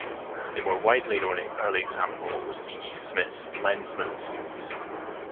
A more widely known early example was E. E. Smith's "Lensman" series.